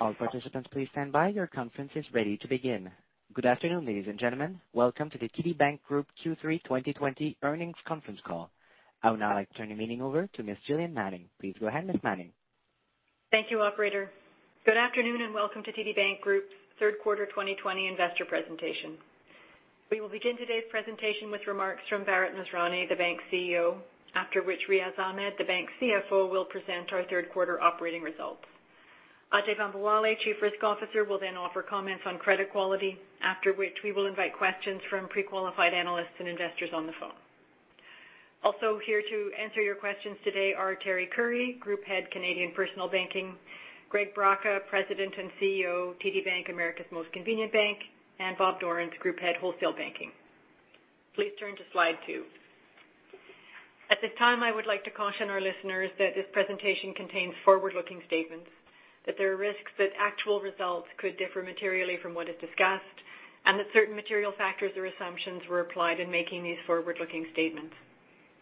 Good afternoon, ladies and gentlemen. Welcome to the TD Bank Group Q3 2020 earnings conference call. I would now like to turn the meeting over to Ms. Gillian Manning. Please go ahead, Ms. Manning. Thank you, operator. Good afternoon, and welcome to TD Bank Group's third quarter 2020 investor presentation. We will begin today's presentation with remarks from Bharat Masrani, the bank's CEO, after which Riaz Ahmed, the bank's CFO, will present our third-quarter operating results. Ajai Bambawale, Chief Risk Officer, will then offer comments on credit quality, after which we will invite questions from pre-qualified analysts and investors on the phone. Also here to answer your questions today are Teri Currie, Group Head, Canadian Personal Banking; Greg Braca, President and CEO, TD Bank, America's Most Convenient Bank; and Bob Dorrance, Group Head, Wholesale Banking. Please turn to slide two. At this time, I would like to caution our listeners that this presentation contains forward-looking statements, that there are risks that actual results could differ materially from what is discussed, and that certain material factors or assumptions were applied in making these forward-looking statements.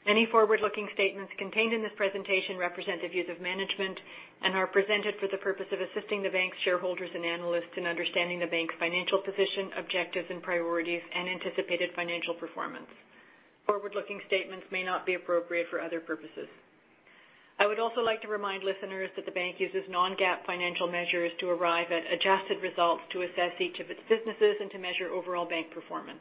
Any forward-looking statements contained in this presentation represent the views of management and are presented for the purpose of assisting the bank's shareholders and analysts in understanding the bank's financial position, objectives and priorities, and anticipated financial performance. Forward-looking statements may not be appropriate for other purposes. I would also like to remind listeners that the bank uses non-GAAP financial measures to arrive at adjusted results to assess each of its businesses and to measure overall bank performance.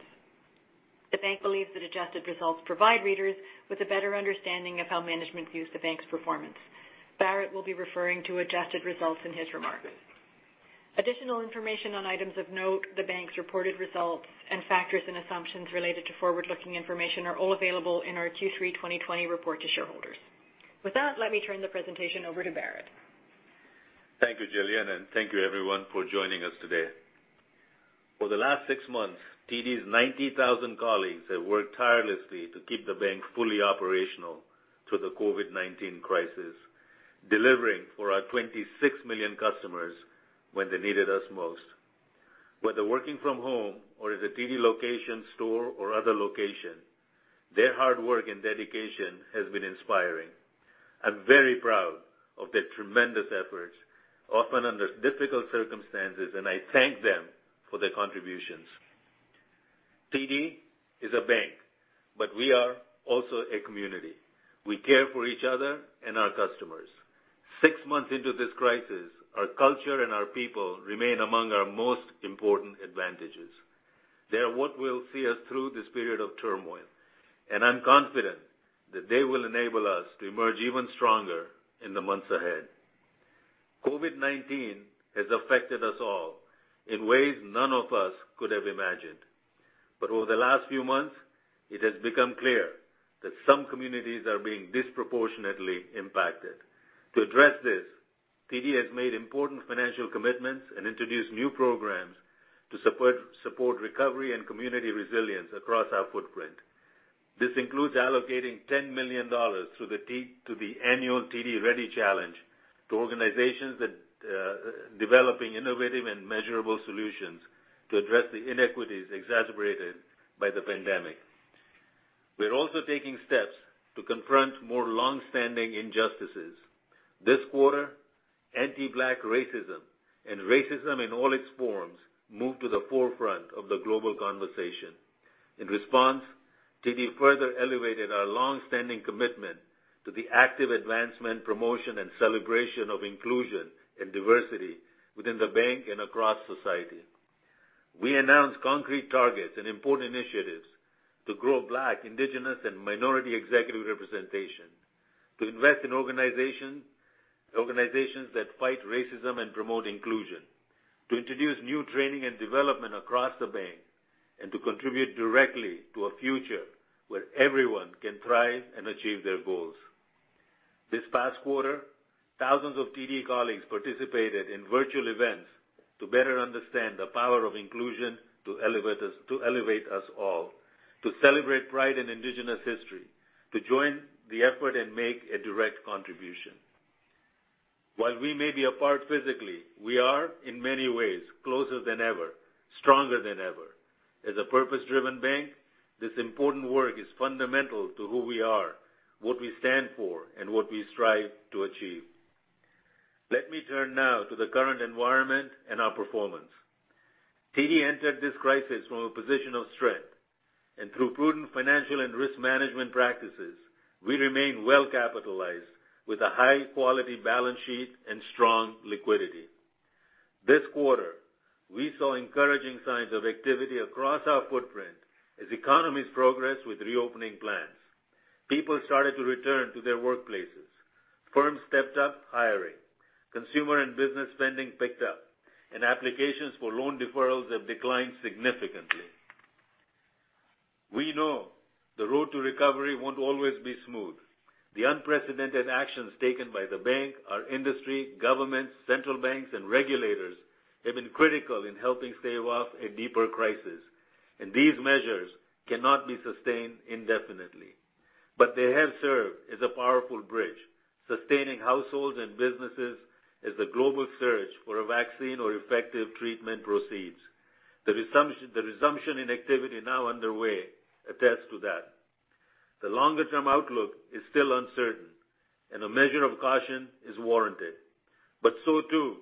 The bank believes that adjusted results provide readers with a better understanding of how management views the bank's performance. Bharat will be referring to adjusted results in his remarks. Additional information on items of note, the bank's reported results, and factors and assumptions related to forward-looking information are all available in our Q3 2020 report to shareholders. With that, let me turn the presentation over to Bharat. Thank you, Gillian, and thank you, everyone, for joining us today. For the last six months, TD's 90,000 colleagues have worked tirelessly to keep the bank fully operational through the COVID-19 crisis, delivering for our 26 million customers when they needed us most. Whether working from home or at a TD location, store, or other location, their hard work and dedication has been inspiring. I'm very proud of their tremendous efforts, often under difficult circumstances, and I thank them for their contributions. TD is a bank, but we are also a community. We care for each other and our customers. Six months into this crisis, our culture and our people remain among our most important advantages. They are what will see us through this period of turmoil, and I'm confident that they will enable us to emerge even stronger in the months ahead. COVID-19 has affected us all in ways none of us could have imagined. Over the last few months, it has become clear that some communities are being disproportionately impacted. To address this, TD has made important financial commitments and introduced new programs to support recovery and community resilience across our footprint. This includes allocating 10 million dollars to the annual TD Ready Challenge to organizations that are developing innovative and measurable solutions to address the inequities exacerbated by the pandemic. We're also taking steps to confront more long-standing injustices. This quarter, anti-Black racism and racism in all its forms moved to the forefront of the global conversation. In response, TD further elevated our long-standing commitment to the active advancement, promotion, and celebration of inclusion and diversity within the bank and across society. We announced concrete targets and important initiatives to grow Black, Indigenous, and minority executive representation, to invest in organizations that fight racism and promote inclusion, to introduce new training and development across the bank, and to contribute directly to a future where everyone can thrive and achieve their goals. This past quarter, thousands of TD colleagues participated in virtual events to better understand the power of inclusion to elevate us all, to celebrate Pride and Indigenous history, to join the effort and make a direct contribution. While we may be apart physically, we are, in many ways, closer than ever, stronger than ever. As a purpose-driven bank, this important work is fundamental to who we are, what we stand for, and what we strive to achieve. Let me turn now to the current environment and our performance. TD entered this crisis from a position of strength, and through prudent financial and risk management practices, we remain well-capitalized with a high-quality balance sheet and strong liquidity. This quarter, we saw encouraging signs of activity across our footprint as economies progress with reopening plans. People started to return to their workplaces. Firms stepped up hiring. Consumer and business spending picked up, and applications for loan deferrals have declined significantly. We know the road to recovery won't always be smooth. The unprecedented actions taken by the bank, our industry, governments, central banks, and regulators have been critical in helping stave off a deeper crisis, and these measures cannot be sustained indefinitely. They have served as a powerful bridge, sustaining households and businesses as the global search for a vaccine or effective treatment proceeds. The resumption in activity now underway attests to that. The longer-term outlook is still uncertain, and a measure of caution is warranted, but so too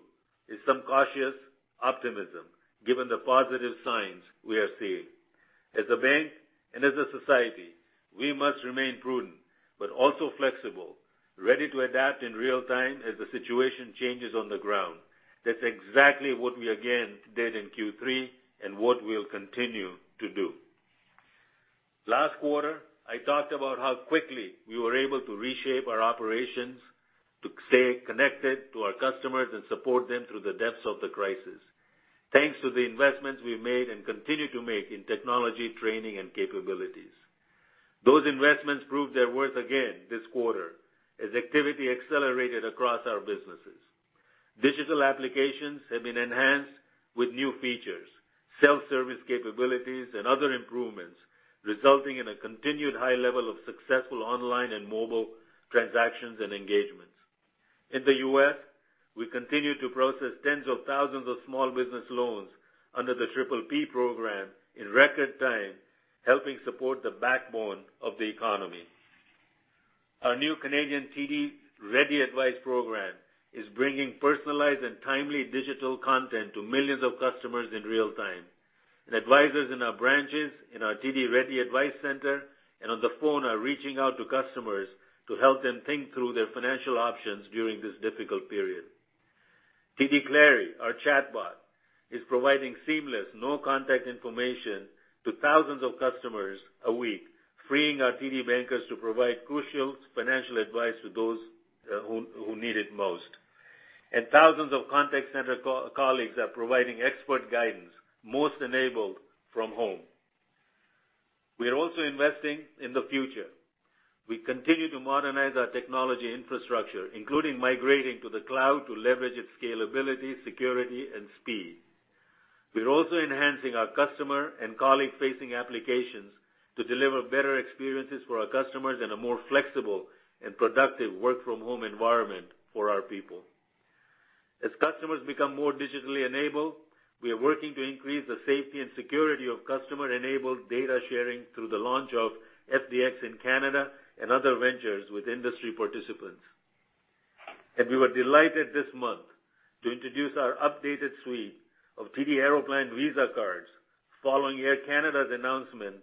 is some cautious optimism given the positive signs we are seeing. As a bank and as a society, we must remain prudent but also flexible, ready to adapt in real time as the situation changes on the ground. That's exactly what we again did in Q3 and what we'll continue to do. Last quarter, I talked about how quickly we were able to reshape our operations to stay connected to our customers and support them through the depths of the crisis. Thanks to the investments we made and continue to make in technology, training, and capabilities. Those investments proved their worth again this quarter as activity accelerated across our businesses. Digital applications have been enhanced with new features, self-service capabilities, and other improvements, resulting in a continued high level of successful online and mobile transactions and engagements. In the U.S., we continue to process tens of thousands of small business loans under the PPP Program in record time, helping support the backbone of the economy. Our new Canadian TD Ready Advice program is bringing personalized and timely digital content to millions of customers in real time. Advisors in our branches, in our TD Ready Advice center, and on the phone are reaching out to customers to help them think through their financial options during this difficult period. TD Clari, our chatbot, is providing seamless, no-contact information to thousands of customers a week, freeing our TD bankers to provide crucial financial advice to those who need it most. Thousands of contact center colleagues are providing expert guidance, most enabled from home. We are also investing in the future. We continue to modernize our technology infrastructure, including migrating to the cloud to leverage its scalability, security, and speed. We are also enhancing our customer and colleague-facing applications to deliver better experiences for our customers and a more flexible and productive work-from-home environment for our people. Customers become more digitally enabled, we are working to increase the safety and security of customer-enabled data sharing through the launch of FDX in Canada and other ventures with industry participants. We were delighted this month to introduce our updated suite of TD Aeroplan Visa cards following Air Canada's announcement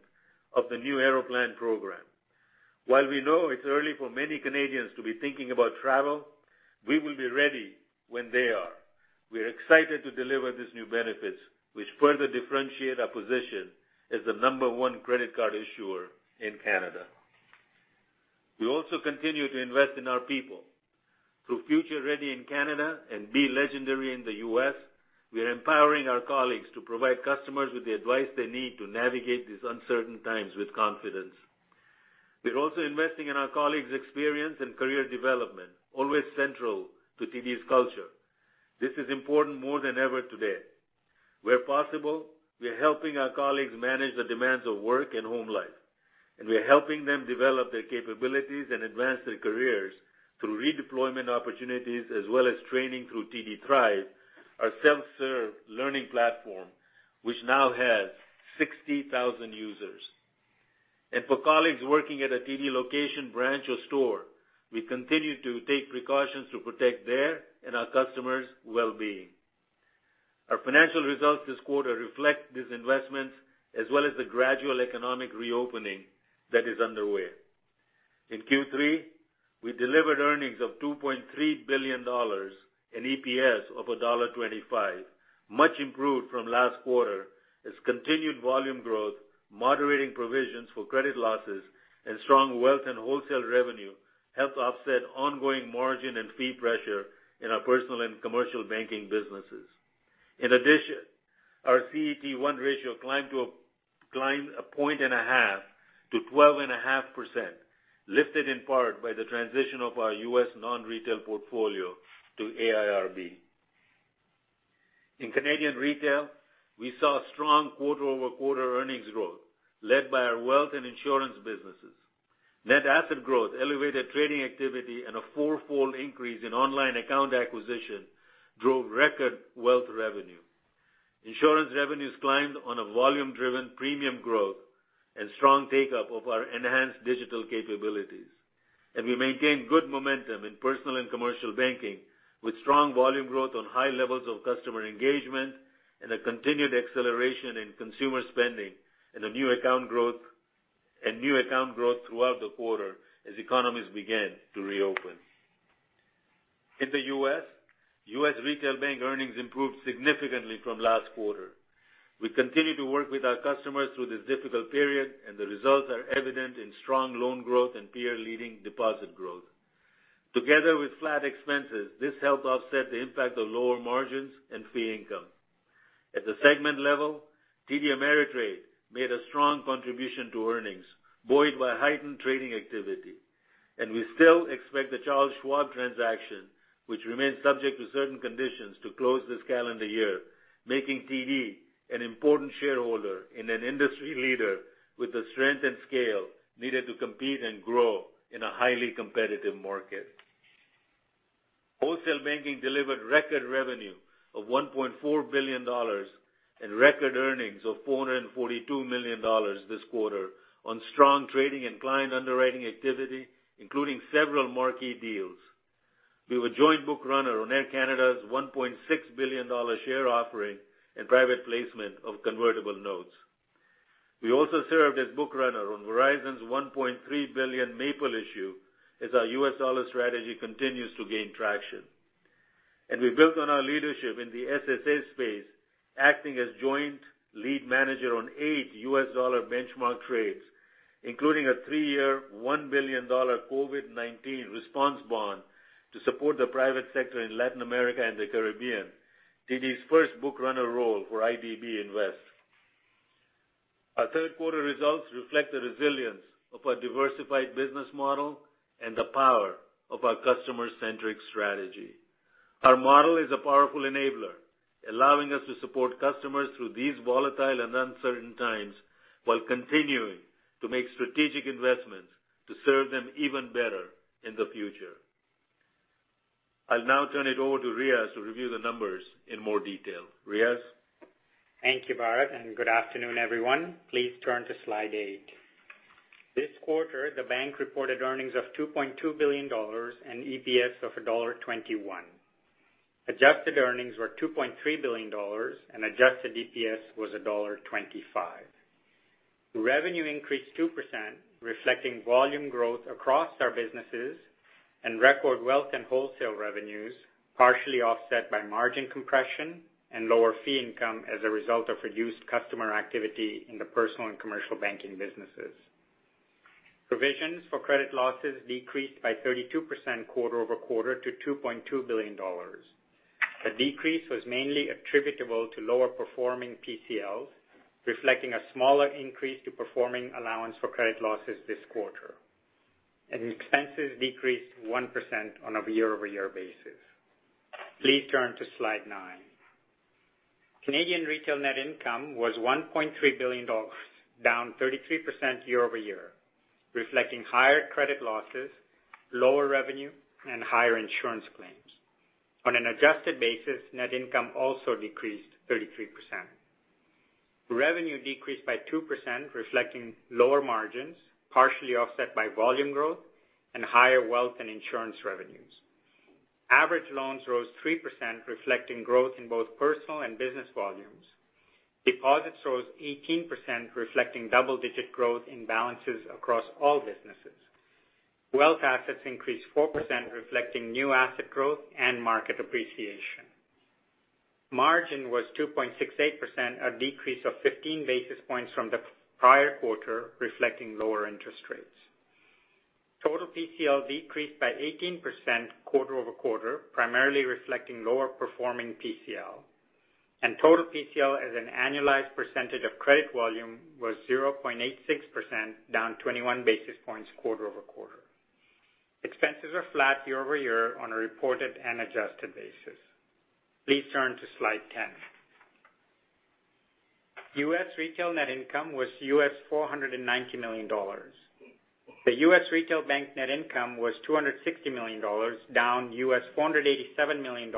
of the new Aeroplan program. While we know it's early for many Canadians to be thinking about travel, we will be ready when they are. We are excited to deliver these new benefits, which further differentiate our position as the number one credit card issuer in Canada. We also continue to invest in our people. Through Future Ready in Canada and Be Legendary in the U.S., we are empowering our colleagues to provide customers with the advice they need to navigate these uncertain times with confidence. We are also investing in our colleagues' experience and career development, always central to TD's culture. This is important more than ever today. Where possible, we are helping our colleagues manage the demands of work and home life, and we are helping them develop their capabilities and advance their careers through redeployment opportunities as well as training through TD Thrive, our self-serve learning platform, which now has 60,000 users. For colleagues working at a TD location, branch, or store, we continue to take precautions to protect their and our customers' well-being. Our financial results this quarter reflect these investments as well as the gradual economic reopening that is underway. In Q3, we delivered earnings of 2.3 billion dollars and EPS of dollar 1.25, much improved from last quarter as continued volume growth, moderating provisions for credit losses, and strong Wealth and Wholesale revenue helped offset ongoing margin and fee pressure in our Personal and Commercial Banking businesses. In addition, our CET1 ratio climbed 1.5 points to 12.5%, lifted in part by the transition of our U.S. non-retail portfolio to AIRB. In Canadian Retail, we saw strong quarter-over-quarter earnings growth led by our Wealth and Insurance businesses. Net asset growth, elevated trading activity, and a four-fold increase in online account acquisition drove record Wealth revenue. Insurance revenues climbed on a volume-driven premium growth and strong take-up of our enhanced digital capabilities. We maintained good momentum in personal and commercial banking with strong volume growth on high levels of customer engagement and a continued acceleration in consumer spending and new account growth throughout the quarter as economies began to reopen. In the U.S., U.S. Retail Bank earnings improved significantly from last quarter. We continue to work with our customers through this difficult period, and the results are evident in strong loan growth and peer-leading deposit growth. Together with flat expenses, this helped offset the impact of lower margins and fee income. At the segment level, TD Ameritrade made a strong contribution to earnings, buoyed by heightened trading activity. We still expect the Charles Schwab transaction, which remains subject to certain conditions, to close this calendar year, making TD an important shareholder and an industry leader with the strength and scale needed to compete and grow in a highly competitive market. Wholesale Banking delivered record revenue of 1.4 billion dollars and record earnings of 442 million dollars this quarter on strong trading and client underwriting activity, including several marquee deals. We were joint bookrunner on Air Canada’s 1.6 billion dollar share offering and private placement of convertible notes. We also served as bookrunner on Verizon’s 1.3 billion Maple issue, as our U.S. dollar strategy continues to gain traction. We built on our leadership in the SSA space, acting as joint lead manager on eight U.S. dollar benchmark trades, including a three-year, $1 billion COVID-19 response bond to support the private sector in Latin America and the Caribbean. TD's first bookrunner role for IDB Invest. Our third quarter results reflect the resilience of our diversified business model and the power of our customer-centric strategy. Our model is a powerful enabler, allowing us to support customers through these volatile and uncertain times while continuing to make strategic investments to serve them even better in the future. I'll now turn it over to Riaz to review the numbers in more detail. Riaz? Thank you, Bharat, and good afternoon, everyone. Please turn to slide eight. This quarter, the bank reported earnings of 2.2 billion dollars and EPS of dollar 1.21. Adjusted earnings were 2.3 billion dollars, adjusted EPS was dollar 1.25. Revenue increased 2%, reflecting volume growth across our businesses and record wealth and wholesale revenues, partially offset by margin compression and lower fee income as a result of reduced customer activity in the personal and commercial banking businesses. Provisions for credit losses decreased by 32% quarter-over-quarter to 2.2 billion dollars. The decrease was mainly attributable to lower performing PCLs, reflecting a smaller increase to performing allowance for credit losses this quarter. Expenses decreased 1% on a year-over-year basis. Please turn to slide nine. Canadian Personal Banking net income was 1.3 billion dollars, down 33% year-over-year, reflecting higher credit losses, lower revenue, and higher insurance claims. On an adjusted basis, net income also decreased 33%. Revenue decreased by 2%, reflecting lower margins, partially offset by volume growth and higher wealth and insurance revenues. Average loans rose 3%, reflecting growth in both personal and business volumes. Deposits rose 18%, reflecting double-digit growth in balances across all businesses. Wealth assets increased 4%, reflecting new asset growth and market appreciation. Margin was 2.68%, a decrease of 15 basis points from the prior quarter, reflecting lower interest rates. Total PCL decreased by 18% quarter-over-quarter, primarily reflecting lower performing PCL. Total PCL as an annualized percentage of credit volume was 0.86%, down 21 basis points quarter-over-quarter. Expenses are flat year-over-year on a reported and adjusted basis. Please turn to slide 10. U.S. retail net income was $490 million. The U.S. Retail Bank net income was $260 million, down $487 million,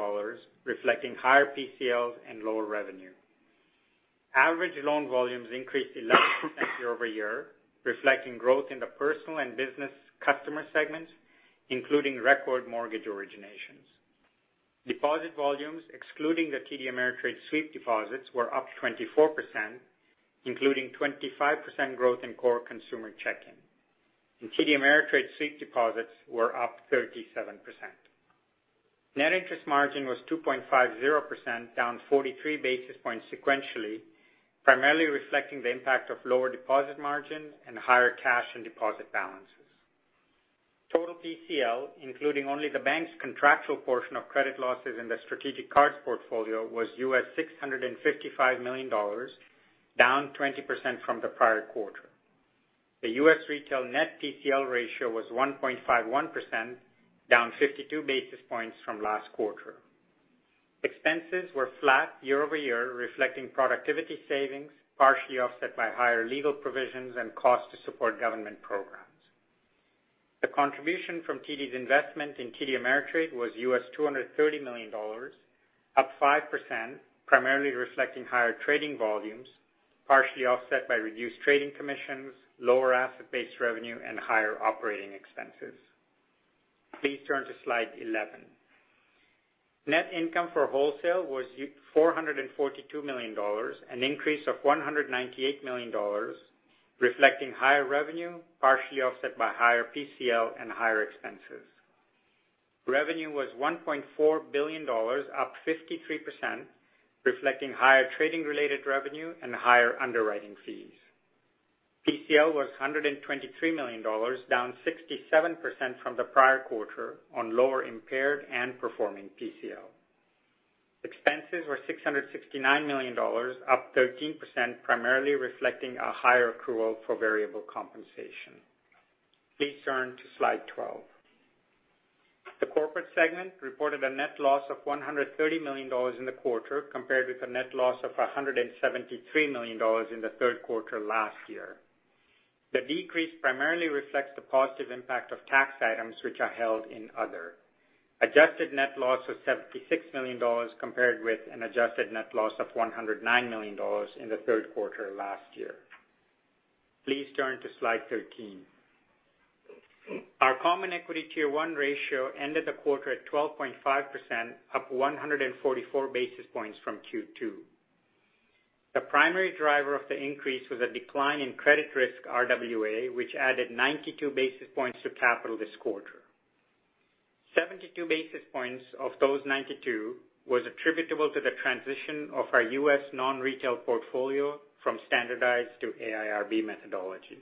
reflecting higher PCLs and lower revenue. Average loan volumes increased 11% year-over-year, reflecting growth in the personal and business customer segments, including record mortgage originations. Deposit volumes, excluding the TD Ameritrade sweep deposits, were up 24%, including 25% growth in core consumer checking. In TD Ameritrade, sweep deposits were up 37%. Net interest margin was 2.50%, down 43 basis points sequentially, primarily reflecting the impact of lower deposit margin and higher cash and deposit balances. Total PCL, including only the bank's contractual portion of credit losses in the strategic cards portfolio, was $655 million, down 20% from the prior quarter. The U.S. Retail net PCL ratio was 1.51%, down 52 basis points from last quarter. Expenses were flat year-over-year, reflecting productivity savings, partially offset by higher legal provisions and cost to support government programs. The contribution from TD's investment in TD Ameritrade was $230 million, up 5%, primarily reflecting higher trading volumes, partially offset by reduced trading commissions, lower asset-based revenue, and higher operating expenses. Please turn to slide 11. Net income for wholesale was 442 million dollars, an increase of 198 million dollars, reflecting higher revenue, partially offset by higher PCL and higher expenses. Revenue was 1.4 billion dollars, up 53%, reflecting higher trading-related revenue and higher underwriting fees. PCL was 123 million dollars, down 67% from the prior quarter on lower impaired and performing PCL. Expenses were 669 million dollars, up 13%, primarily reflecting a higher accrual for variable compensation. Please turn to slide 12. The corporate segment reported a net loss of 130 million dollars in the quarter, compared with a net loss of 173 million dollars in the third quarter last year. The decrease primarily reflects the positive impact of tax items which are held in other. Adjusted net loss was 76 million dollars compared with an adjusted net loss of 109 million dollars in the third quarter last year. Please turn to Slide 13. Our common equity CET1 ratio ended the quarter at 12.5%, up 144 basis points from Q2. The primary driver of the increase was a decline in credit risk RWA, which added 92 basis points to capital this quarter. 72 basis points of those 92 was attributable to the transition of our U.S. non-retail portfolio from standardized to AIRB methodology.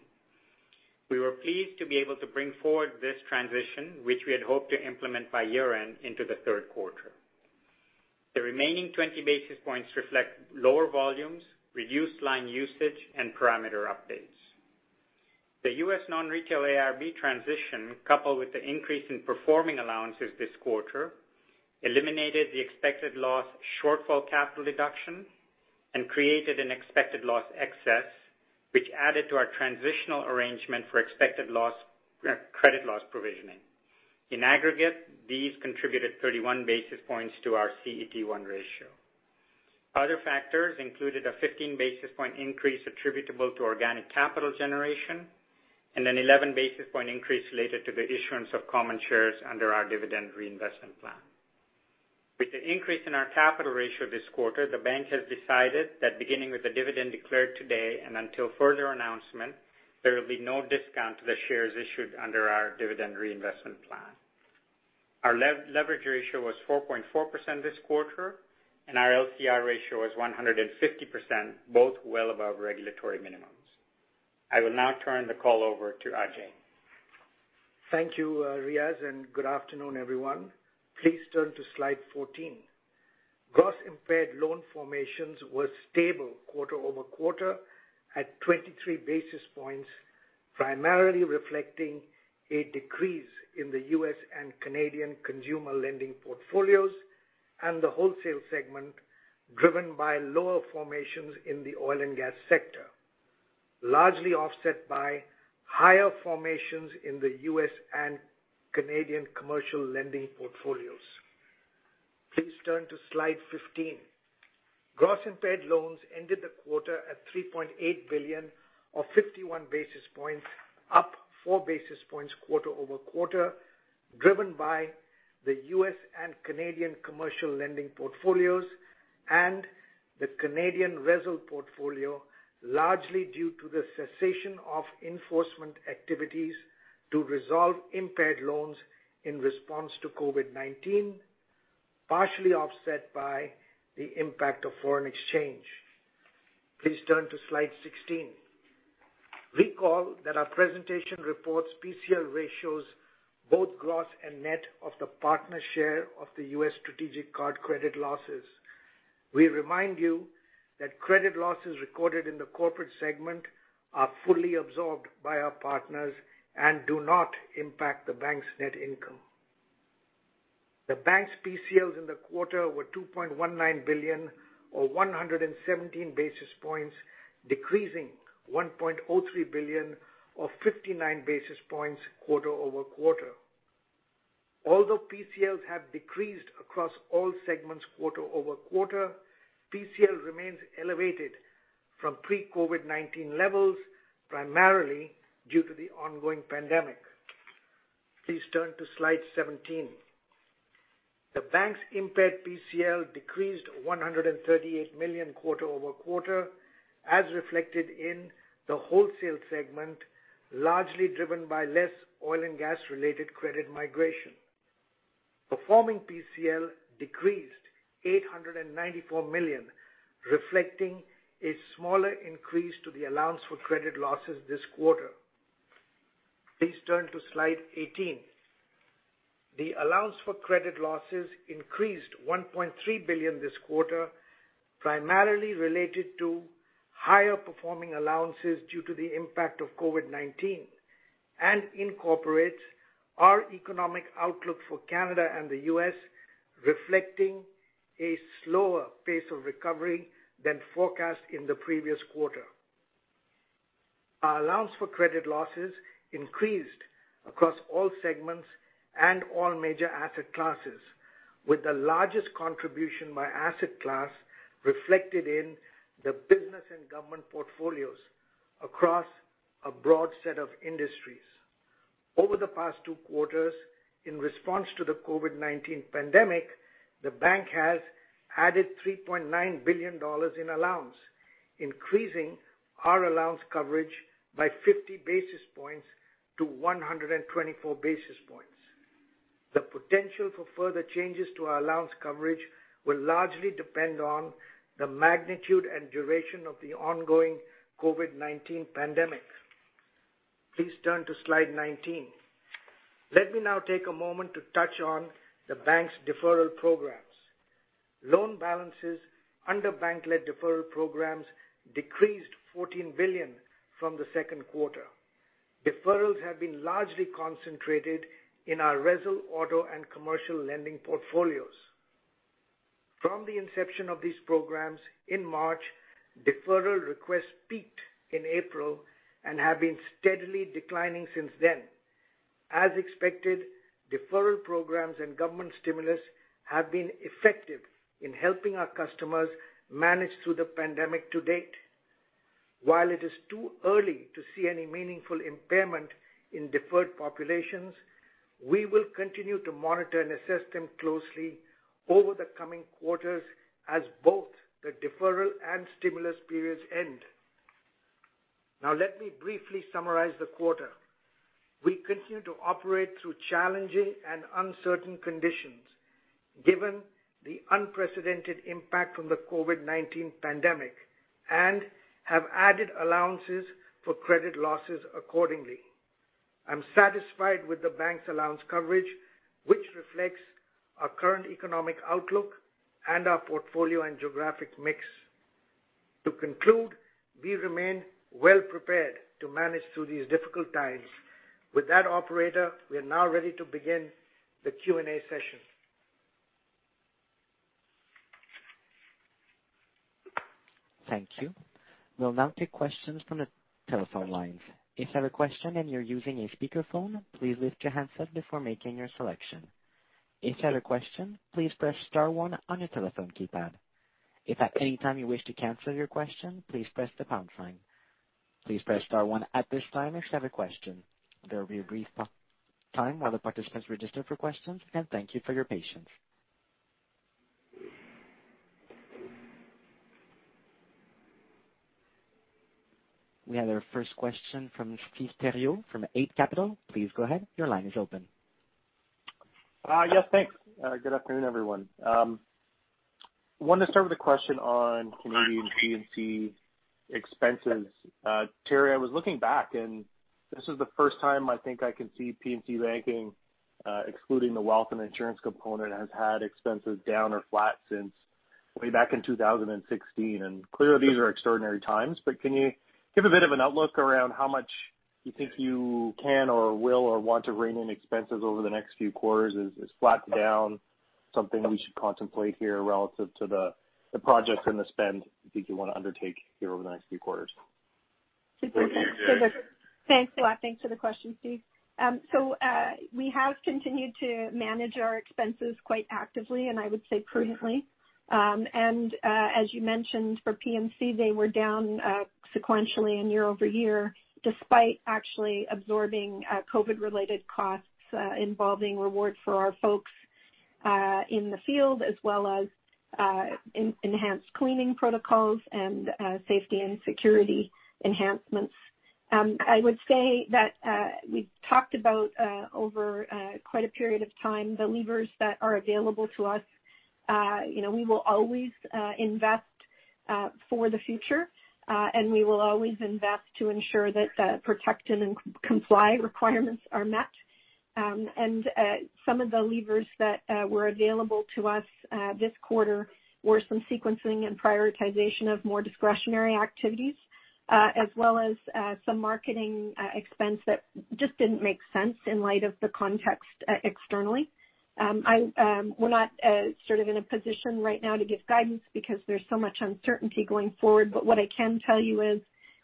We were pleased to be able to bring forward this transition, which we had hoped to implement by year-end into the third quarter. The remaining 20 basis points reflect lower volumes, reduced line usage, and parameter updates. The U.S. non-retail AIRB transition, coupled with the increase in performing allowances this quarter, eliminated the expected loss shortfall capital deduction and created an expected loss excess, which added to our transitional arrangement for expected credit loss provisioning. In aggregate, these contributed 31 basis points to our CET1 ratio. Other factors included a 15 basis point increase attributable to organic capital generation and an 11 basis point increase related to the issuance of common shares under our dividend reinvestment plan. With the increase in our capital ratio this quarter, the bank has decided that beginning with the dividend declared today and until further announcement, there will be no discount to the shares issued under our dividend reinvestment plan. Our leverage ratio was 4.4% this quarter, and our LCR ratio was 150%, both well above regulatory minimums. I will now turn the call over to Ajai. Thank you, Riaz, and good afternoon, everyone. Please turn to Slide 14. Gross impaired loan formations were stable quarter-over-quarter at 23 basis points, primarily reflecting a decrease in the U.S. and Canadian consumer lending portfolios and the wholesale segment driven by lower formations in the oil and gas sector, largely offset by higher formations in the U.S. and Canadian commercial lending portfolios. Please turn to Slide 15. Gross impaired loans ended the quarter at 3.8 billion or 51 basis points up four basis points quarter-over-quarter, driven by the U.S. and Canadian commercial lending portfolios and the Canadian RESL portfolio, largely due to the cessation of enforcement activities to resolve impaired loans in response to COVID-19, partially offset by the impact of foreign exchange. Please turn to Slide 16. Recall that our presentation reports PCL ratios both gross and net of the partner share of the U.S. Strategic Card credit losses. We remind you that credit losses recorded in the corporate segment are fully absorbed by our partners and do not impact the bank's net income. The bank's PCLs in the quarter were 2.19 billion, or 117 basis points, decreasing 1.03 billion or 59 basis points quarter-over-quarter. Although PCLs have decreased across all segments quarter-over-quarter, PCL remains elevated from pre-COVID-19 levels primarily due to the ongoing pandemic. Please turn to Slide 17. The bank's impaired PCL decreased 138 million quarter-over-quarter, as reflected in the Wholesale segment, largely driven by less oil and gas related credit migration. Performing PCL decreased 894 million, reflecting a smaller increase to the allowance for credit losses this quarter. Please turn to Slide 18. The allowance for credit losses increased 1.3 billion this quarter, primarily related to higher performing allowances due to the impact of COVID-19, and incorporates our economic outlook for Canada and the U.S., reflecting a slower pace of recovery than forecast in the previous quarter. Our allowance for credit losses increased across all segments and all major asset classes, with the largest contribution by asset class reflected in the business and government portfolios across a broad set of industries. Over the past two quarters, in response to the COVID-19 pandemic, the bank has added 3.9 billion dollars in allowance, increasing our allowance coverage by 50 basis points to 124 basis points. The potential for further changes to our allowance coverage will largely depend on the magnitude and duration of the ongoing COVID-19 pandemic. Please turn to Slide 19. Let me now take a moment to touch on the bank's deferral programs. Loan balances under bank-led deferral programs decreased 14 billion from the second quarter. Deferrals have been largely concentrated in our RESL auto and commercial lending portfolios. From the inception of these programs in March, deferral requests peaked in April and have been steadily declining since then. As expected, deferral programs and government stimulus have been effective in helping our customers manage through the pandemic to date. While it is too early to see any meaningful impairment in deferred populations, we will continue to monitor and assess them closely over the coming quarters as both the deferral and stimulus periods end. Now let me briefly summarize the quarter. We continue to operate through challenging and uncertain conditions given the unprecedented impact from the COVID-19 pandemic, and have added allowances for credit losses accordingly. I'm satisfied with the bank's allowance coverage, which reflects our current economic outlook and our portfolio and geographic mix. To conclude, we remain well-prepared to manage through these difficult times. With that, operator, we are now ready to begin the Q&A session. Thank you. We'll now take questions from the telephone lines. If you have a question and you're using a speakerphone, please lift your handset before making your selection. If you have a question, please press star one on your telephone keypad. If at any time you wish to cancel your question, please press the pound sign. Please press star one at this time if you have a question. There will be a brief pause time while the participants register for questions, and thank you for your patience. We have our first question from Steve Theriault from Eight Capital. Please go ahead. Your line is open. Yes, thanks. Good afternoon, everyone. Wanted to start with a question on Canadian P&C expenses. Teri, I was looking back, this is the first time I think I can see P&C banking, excluding the wealth and insurance component, has had expenses down or flat since way back in 2016. Clearly these are extraordinary times, but can you give a bit of an outlook around how much you think you can or will or want to rein in expenses over the next few quarters? Is flat to down something we should contemplate here relative to the projects and the spend you think you want to undertake here over the next few quarters? Thanks a lot. Thanks for the question, Steve. We have continued to manage our expenses quite actively, and I would say prudently. As you mentioned for P&C, they were down sequentially and year-over-year, despite actually absorbing COVID-related costs involving reward for our folks in the field as well as enhanced cleaning protocols and safety and security enhancements. I would say that we've talked about over quite a period of time the levers that are available to us. We will always invest for the future, and we will always invest to ensure that the protect and comply requirements are met. Some of the levers that were available to us this quarter were some sequencing and prioritization of more discretionary activities as well as some marketing expense that just didn't make sense in light of the context externally. We're not in a position right now to give guidance because there's so much uncertainty going forward. What I can tell you is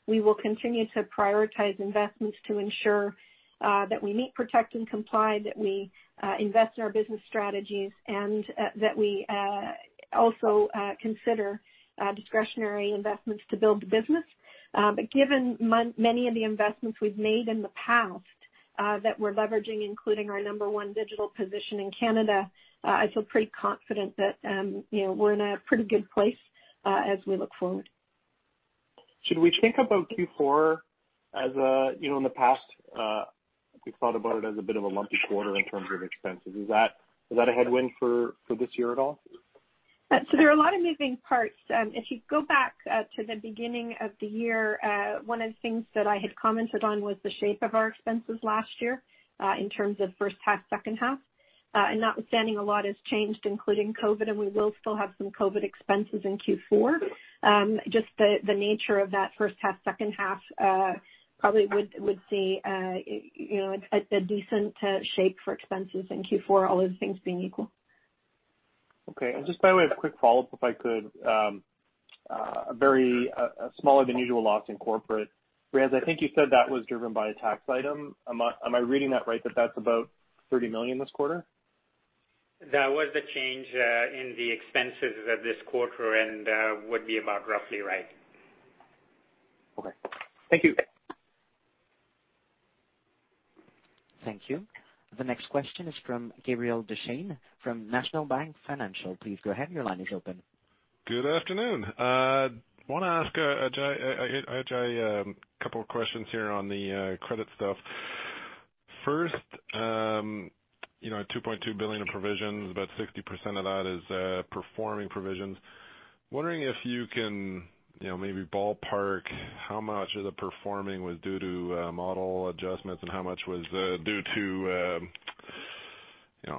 we will continue to prioritize investments to ensure that we meet protect and comply, that we invest in our business strategies, and that we also consider discretionary investments to build the business. Given many of the investments we've made in the past that we're leveraging, including our number one digital position in Canada, I feel pretty confident that we're in a pretty good place as we look forward. Should we think about Q4 as in the past we thought about it as a bit of a lumpy quarter in terms of expenses? Is that a headwind for this year at all? There are a lot of moving parts. If you go back to the beginning of the year, one of the things that I had commented on was the shape of our expenses last year in terms of first half, second half. Notwithstanding a lot has changed, including COVID, and we will still have some COVID expenses in Q4. Just the nature of that first half, second half probably would see a decent shape for expenses in Q4, all other things being equal. Okay. Just by way of quick follow-up, if I could. A smaller than usual loss in corporate. Riaz, I think you said that was driven by a tax item. Am I reading that right, that that's about 30 million this quarter? That was the change in the expenses of this quarter and would be about roughly right. Okay. Thank you. Thank you. The next question is from Gabriel Dechaine from National Bank Financial. Please go ahead. Your line is open. Good afternoon. I want to ask Ajai a couple of questions here on the credit stuff. First, 2.2 billion in provisions, about 60% of that is performing provisions. Wondering if you can maybe ballpark how much of the performing was due to model adjustments and how much was due to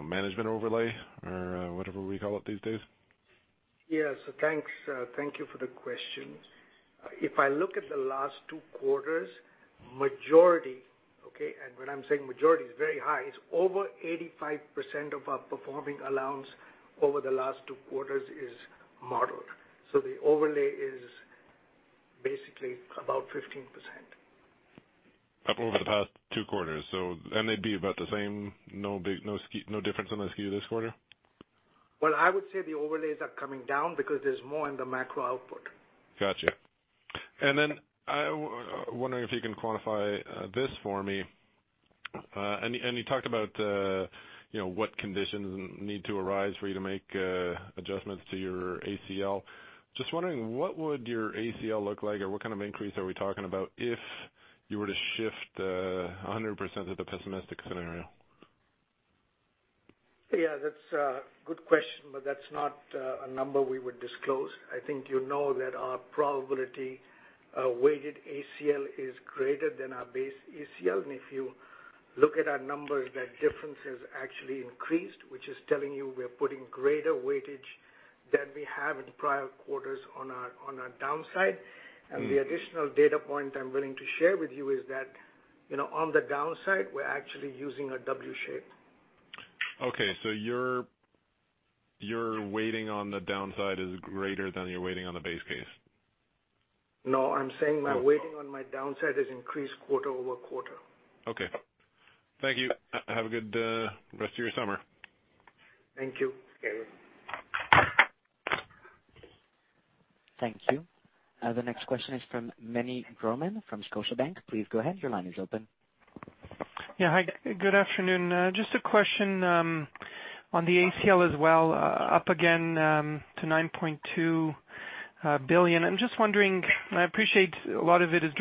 management overlay or whatever we call it these days. Yes. Thanks. Thank you for the question. If I look at the last two quarters, majority. When I'm saying majority, it's very high. It's over 85% of our performing allowance over the last two quarters is modeled. The overlay is basically about 15%. Up over the past two quarters. They'd be about the same, no difference in the SKU this quarter? Well, I would say the overlays are coming down because there's more in the macro output. Got you. Wondering if you can quantify this for me. You talked about what conditions need to arise for you to make adjustments to your ACL. Just wondering, what would your ACL look like, or what kind of increase are we talking about if you were to shift 100% of the pessimistic scenario? That's a good question, but that's not a number we would disclose. I think you know that our probability weighted ACL is greater than our base ACL, and if you look at our numbers, that difference has actually increased, which is telling you we are putting greater weightage than we have in prior quarters on our downside. The additional data point I'm willing to share with you is that on the downside, we're actually using a W shape. Okay. Your weighting on the downside is greater than your weighting on the base case? No, I'm saying my weighting on my downside has increased quarter-over-quarter. Okay. Thank you. Have a good rest of your summer. Thank you, Gabriel. Thank you. The next question is from Meny Grauman from Scotiabank. Please go ahead. Your line is open. Yeah, hi. Good afternoon. Just a question on the ACL as well, up again to 9.2 billion. I'm just wondering, I appreciate a lot of it is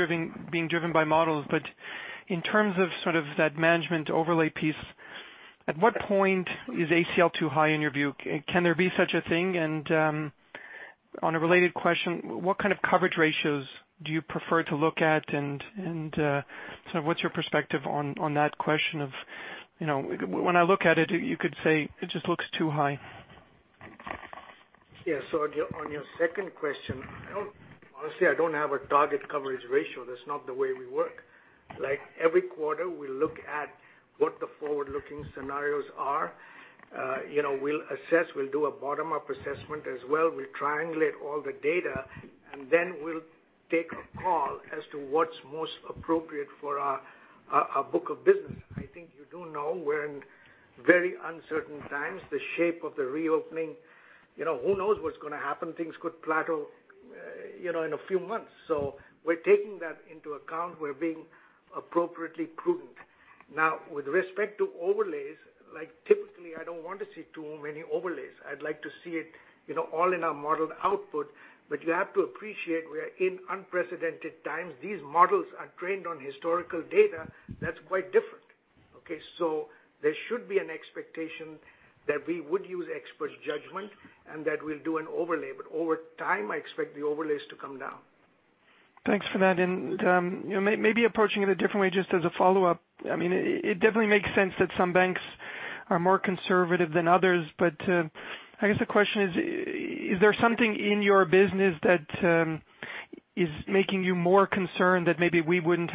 being driven by models, but in terms of that management overlay piece, at what point is ACL too high in your view? Can there be such a thing? On a related question, what kind of coverage ratios do you prefer to look at, and what's your perspective on that question of when I look at it, you could say it just looks too high. Yeah. On your second question, honestly, I don't have a target coverage ratio. That's not the way we work. Every quarter, we look at what the forward-looking scenarios are. We'll assess, we'll do a bottom-up assessment as well. We triangulate all the data, then we'll take a call as to what's most appropriate for our book of business. I think you do know we're in very uncertain times. The shape of the reopening, who knows what's going to happen? Things could plateau in a few months. We're taking that into account. We're being appropriately prudent. Now with respect to overlays, typically I don't want to see too many overlays. I'd like to see it all in our modeled output. You have to appreciate we're in unprecedented times. These models are trained on historical data that's quite different, okay? There should be an expectation that we would use expert judgment and that we'll do an overlay. Over time, I expect the overlays to come down. Thanks for that. Maybe approaching it a different way just as a follow-up. It definitely makes sense that some banks are more conservative than others. I guess the question is there something in your business that is making you more concerned that maybe we wouldn't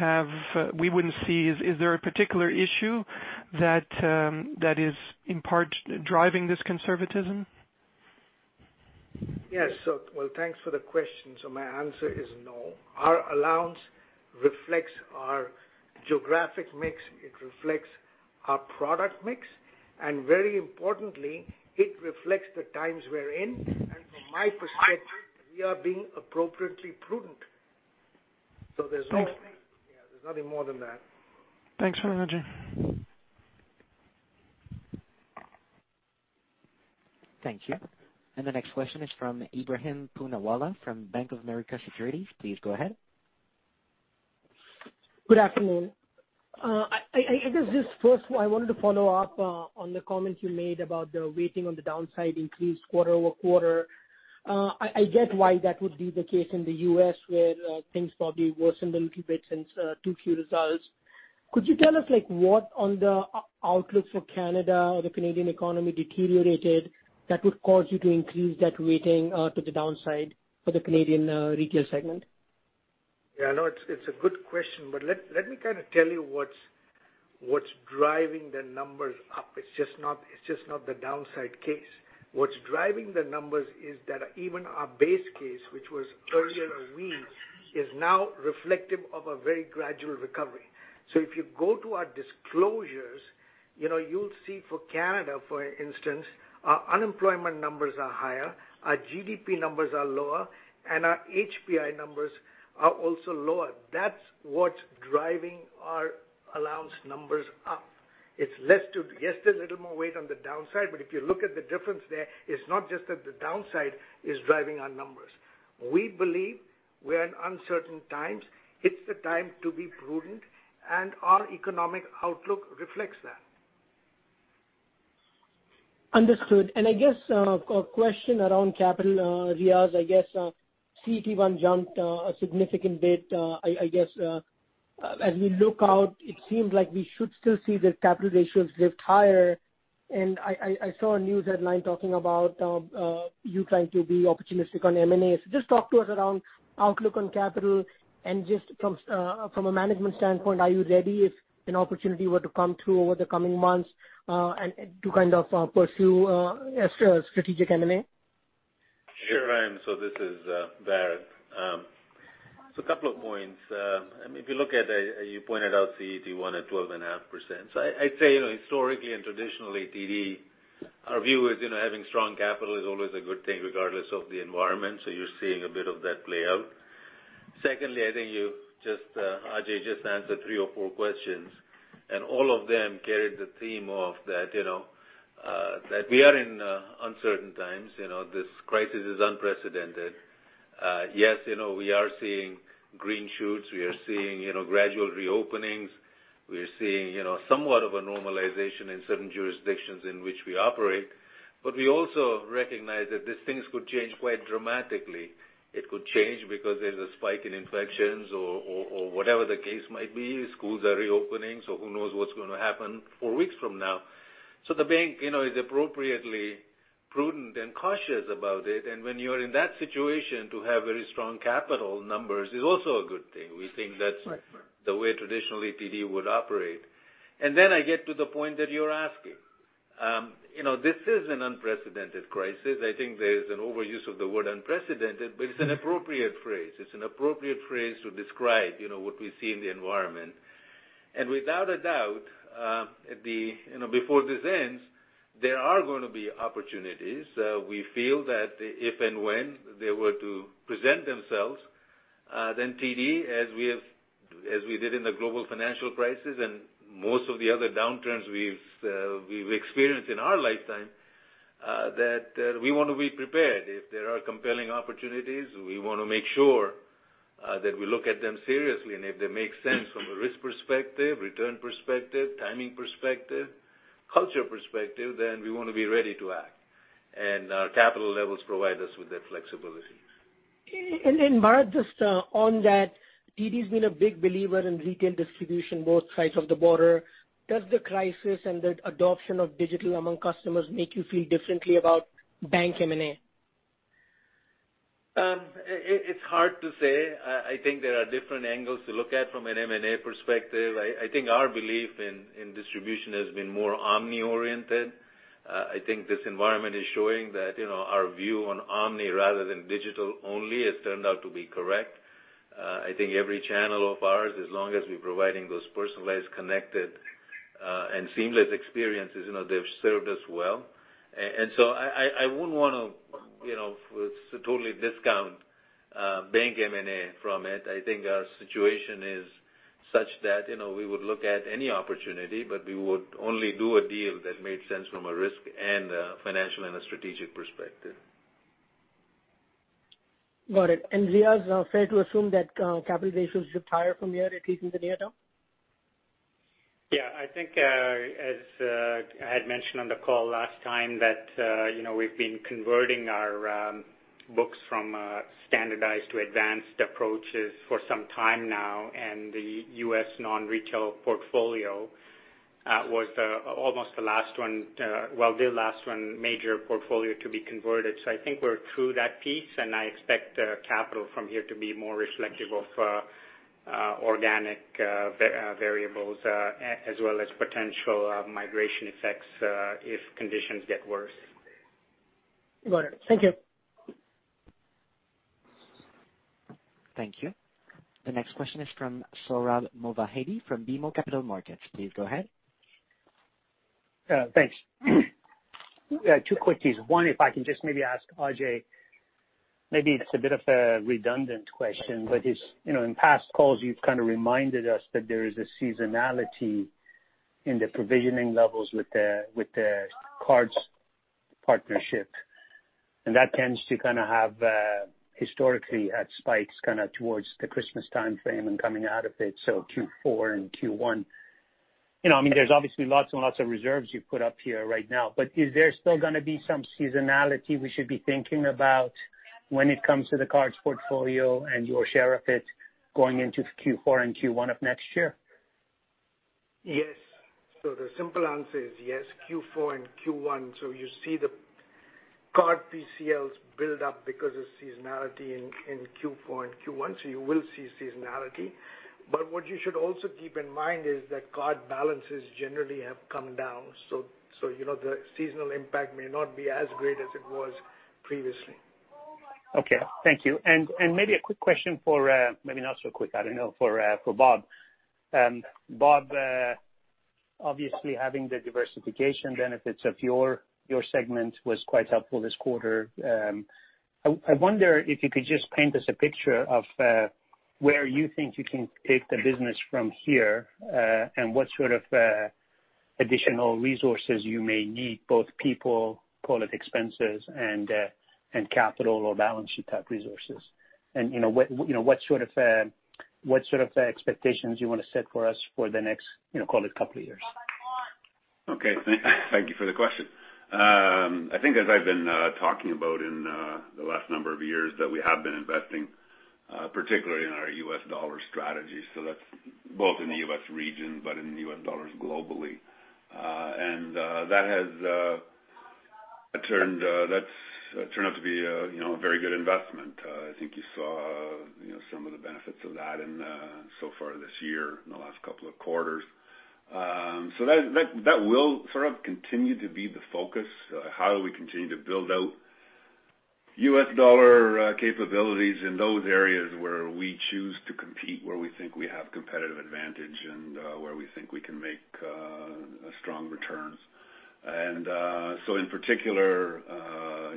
see? Is there a particular issue that is in part driving this conservatism? Yes. Well, thanks for the question. My answer is no. Our allowance reflects our geographic mix, it reflects our product mix, and very importantly, it reflects the times we're in. From my perspective, we are being appropriately prudent. Thanks. Yeah, there's nothing more than that. Thanks, Ajai. Thank you. The next question is from Ebrahim Poonawala from Bank of America Securities. Please go ahead. Good afternoon. I guess just first I wanted to follow up on the comments you made about the weighting on the downside increased quarter-over-quarter. I get why that would be the case in the U.S., where things probably worsened a little bit since Q2 results. Could you tell us what on the outlook for Canada or the Canadian economy deteriorated that would cause you to increase that weighting to the downside for the Canadian Retail Segment? Yeah, no, it's a good question. Let me kind of tell you what's driving the numbers up. It's just not the downside case. What's driving the numbers is that even our base case, which was earlier weak, is now reflective of a very gradual recovery. If you go to our disclosures, you'll see for Canada, for instance, our unemployment numbers are higher, our GDP numbers are lower, and our HPI numbers are also lower. That's what's driving our allowance numbers up. It's less to just a little more weight on the downside, but if you look at the difference there, it's not just that the downside is driving our numbers. We believe we're in uncertain times. It's the time to be prudent, and our economic outlook reflects that. Understood. I guess a question around capital, Riaz, I guess CET1 jumped a significant bit. I guess as we look out, it seems like we should still see the capital ratios drift higher. I saw a news headline talking about you trying to be opportunistic on M&A. Just talk to us around outlook on capital, and just from a management standpoint, are you ready if an opportunity were to come through over the coming months to kind of pursue a strategic M&A? Sure, Ebrahim. This is Bharat. A couple of points. If you look at it, you pointed out CET1 at 12.5%. I'd say historically and traditionally, TD, our view is having strong capital is always a good thing, regardless of the environment. You're seeing a bit of that play out. Secondly, I think Ajai just answered three or four questions, and all of them carried the theme of that we are in uncertain times. This crisis is unprecedented. Yes, we are seeing green shoots. We are seeing gradual reopenings. We are seeing somewhat of a normalization in certain jurisdictions in which we operate. We also recognize that these things could change quite dramatically. It could change because there's a spike in infections or whatever the case might be. Schools are reopening, who knows what's going to happen four weeks from now. The bank is appropriately prudent and cautious about it, and when you are in that situation, to have very strong capital numbers is also a good thing. Right We think that's the way traditionally TD would operate. Then I get to the point that you're asking. This is an unprecedented crisis. I think there's an overuse of the word unprecedented, but it's an appropriate phrase. It's an appropriate phrase to describe what we see in the environment. Without a doubt, before this ends, there are going to be opportunities. We feel that if and when they were to present themselves then TD, as we did in the global financial crisis and most of the other downturns we've experienced in our lifetime, that we want to be prepared. If there are compelling opportunities, we want to make sure that we look at them seriously. If they make sense from a risk perspective, return perspective, timing perspective, culture perspective, then we want to be ready to act, and our capital levels provide us with that flexibility. Bharat, just on that, TD's been a big believer in retail distribution, both sides of the border. Does the crisis and the adoption of digital among customers make you feel differently about bank M&A? It's hard to say. I think there are different angles to look at from an M&A perspective. I think our belief in distribution has been more omni-oriented. I think this environment is showing that our view on omni rather than digital only has turned out to be correct. I think every channel of ours, as long as we're providing those personalized, connected, and seamless experiences, they've served us well. I wouldn't want to totally discount bank M&A from it. I think our situation is such that we would look at any opportunity, but we would only do a deal that made sense from a risk and a financial and a strategic perspective. Got it. Riaz, is it fair to assume that capital ratios should higher from here, at least in the near term? Yeah. I think as I had mentioned on the call last time that we've been converting our books from standardized to advanced approaches for some time now, and the U.S. non-retail portfolio was the last one, major portfolio to be converted. I think we're through that piece, and I expect capital from here to be more reflective of organic variables as well as potential migration effects if conditions get worse. Got it. Thank you. Thank you. The next question is from Sohrab Movahedi from BMO Capital Markets. Please go ahead. Thanks. Two quickies. One, if I can just maybe ask Ajai, maybe it's a bit of a redundant question, but in past calls, you've kind of reminded us that there is a seasonality in the provisioning levels with the cards partnership. That tends to kind of have historically had spikes kind of towards the Christmas timeframe and coming out of it, so Q4 and Q1. There's obviously lots and lots of reserves you've put up here right now, but is there still going to be some seasonality we should be thinking about when it comes to the cards portfolio and your share of it going into Q4 and Q1 of next year? Yes. The simple answer is yes, Q4 and Q1. You see the card PCLs build up because of seasonality in Q4 and Q1, so you will see seasonality. What you should also keep in mind is that card balances generally have come down. The seasonal impact may not be as great as it was previously. Okay. Thank you. Maybe a quick question for, maybe not so quick, I don't know, for Bob. Bob, obviously, having the diversification benefits of your segment was quite helpful this quarter. I wonder if you could just paint us a picture of where you think you can take the business from here and what sort of additional resources you may need, both people, call it expenses, and capital or balance sheet type resources, and what sort of expectations you want to set for us for the next couple of years. Okay. Thank you for the question. I think as I've been talking about in the last number of years, that we have been investing, particularly in our U.S. dollar strategy. That's both in the U.S. region, but in U.S. dollars globally. That has turned out to be a very good investment. I think you saw some of the benefits of that so far this year in the last couple of quarters. That will sort of continue to be the focus. How do we continue to build out U.S. dollar capabilities in those areas where we choose to compete, where we think we have competitive advantage, and where we think we can make strong returns. In particular,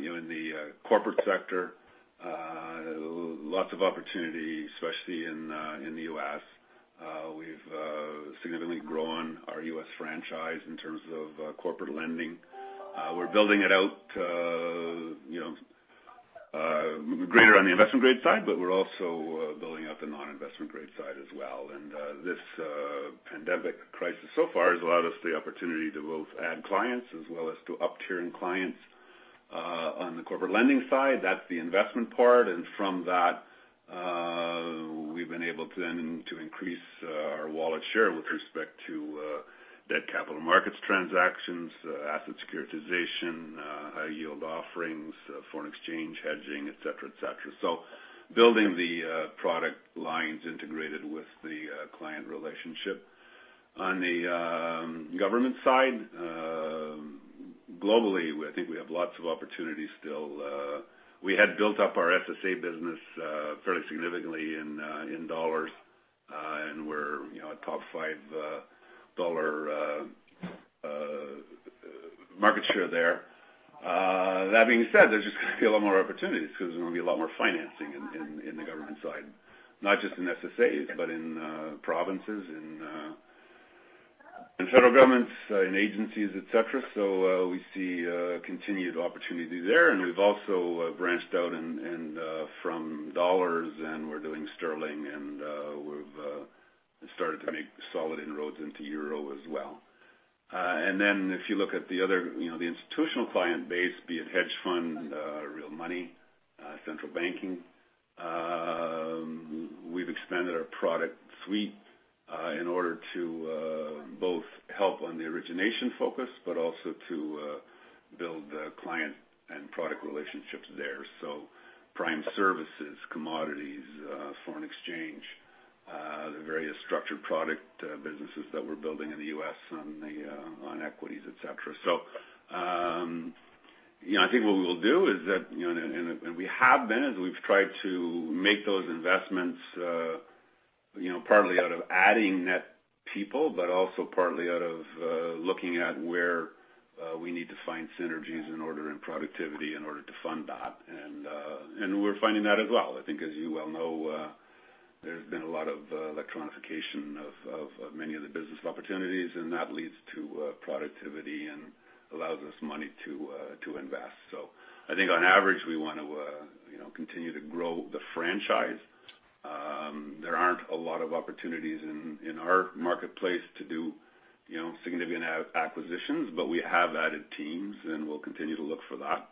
in the corporate sector, lots of opportunity, especially in the U.S. We've significantly grown our U.S. franchise in terms of corporate lending. We're building it out greater on the investment grade side. We're also building up the non-investment grade side as well. This pandemic crisis so far has allowed us the opportunity to both add clients as well as to up-tiering clients on the corporate lending side. That's the investment part. From that, we've been able then to increase our wallet share with respect to debt capital markets transactions, asset securitization, high yield offerings, foreign exchange hedging, et cetera. Building the product lines integrated with the client relationship. On the government side, globally, I think we have lots of opportunities still. We had built up our SSA business fairly significantly in dollars, and we're a top five dollar market share there. That being said, there's just going to be a lot more opportunities because there's going to be a lot more financing in the government side, not just in SSAs, but in provinces and federal governments and agencies, et cetera. We see continued opportunity there. We've also branched out from dollars, and we're doing sterling, and we've started to make solid inroads into euro as well. If you look at the institutional client base, be it hedge fund, real money, central banking, we've expanded our product suite in order to both help on the origination focus, but also to build the client and product relationships there. Prime services, commodities, foreign exchange, the various structured product businesses that we're building in the U.S. on equities, et cetera. I think what we will do is that, and we have been, is we've tried to make those investments partly out of adding net people, but also partly out of looking at where we need to find synergies and productivity in order to fund that. We're finding that as well. I think, as you well know, there's been a lot of electronification of many of the business opportunities, and that leads to productivity and allows us money to invest. I think on average, we want to continue to grow the franchise. There aren't a lot of opportunities in our marketplace to do significant acquisitions, but we have added teams, and we'll continue to look for that.